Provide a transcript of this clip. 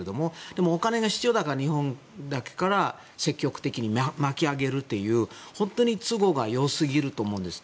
でも、お金が必要だから日本だけから積極的に巻き上げるという本当に都合が良すぎると思うんです。